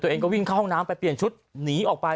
เองก็วิ่งเข้าห้องน้ำไปเปลี่ยนชุดหนีออกไป